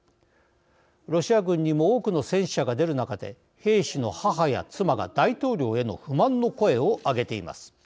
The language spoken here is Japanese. ロシア軍にも多くの戦死者が出る中で、兵士の母や妻が大統領への不満の声を上げています。